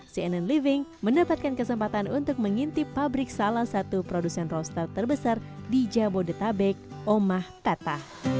cnn living mendapatkan kesempatan untuk mengintip pabrik salah satu produsen roaster terbesar di jabodetabek omah pata